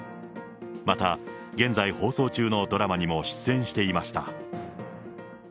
また、現在放送中のドラマにも出演していました。